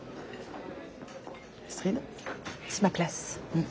うん。